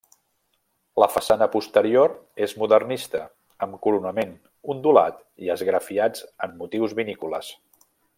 La façana posterior és modernista, amb coronament ondulat i esgrafiats amb motius vinícoles.